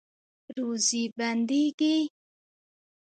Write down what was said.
روزي بندیږي؟